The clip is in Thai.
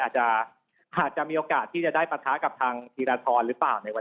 อาจจะมีโอกาสที่อาจจะได้ปัตภาพกับทางธีราษฐรหรือเปล่า